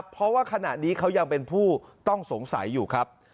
เพราะว่าขณะนี้เขายังเป็นผู้ต้องสงสัยอยู่ครับ